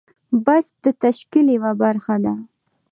بست د تشکیل یوه برخه ده.